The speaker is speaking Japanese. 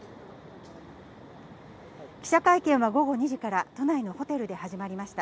記者会見は午後２時から、都内のホテルで始まりました。